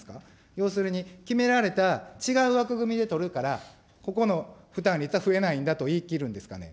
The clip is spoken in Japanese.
要するに、決められた違う枠組みで取るから、ここの負担率は増えないんだと言いきるんですかね。